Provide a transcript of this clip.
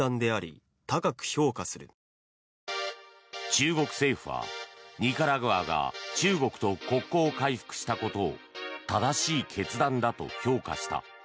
中国政府は、ニカラグアが中国と国交回復したことを正しい決断だと評価した。